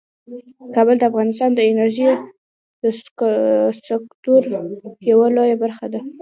کابل د افغانستان د انرژۍ د سکتور یوه لویه برخه ده.